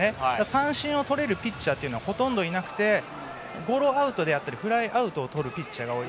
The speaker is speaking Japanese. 三振をとれるピッチャーはほとんどいなくてゴロアウトだったりフライアウトをとるピッチャーが多い。